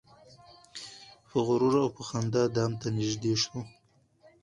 په غرور او په خندا دام ته نیژدې سو